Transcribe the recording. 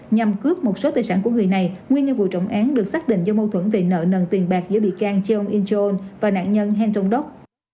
nhằm cướp một số tài sản của người này nguyên nhân vụ trọng án được xác định do mâu thuẫn về nợ nần tiền bạc giữa bị can chiom incheon và nạn nhân han thông đốc